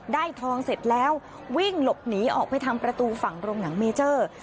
ทองเสร็จแล้ววิ่งหลบหนีออกไปทางประตูฝั่งโรงหนังเมเจอร์